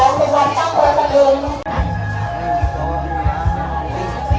และหลังขึ้นหน่อยถึงหลังตั้งโตรศัตริย์